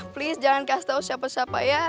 please jangan kasih tahu siapa siapa ya